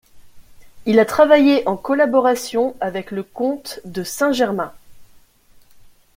Il a travaillé en collaboration avec le comte de Saint-Germain.